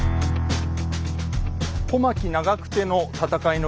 小牧長久手の戦いの舞台